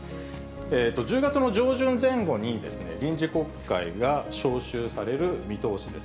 １０月の上旬前後に、臨時国会が召集される見通しです。